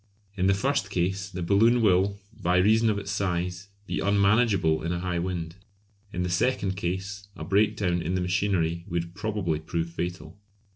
In the first case the balloon will, by reason of its size, be unmanageable in a high wind; in the second case, a breakdown in the machinery would probably prove fatal.